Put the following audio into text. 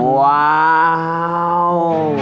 ว้าว